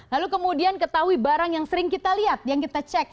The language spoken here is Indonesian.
lalu kemudian ketahui barang yang sering kita lihat yang kita cek